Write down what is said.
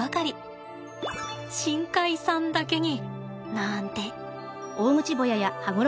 深海さんだけになんて。